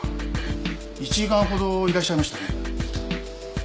１時間ほどいらっしゃいましたね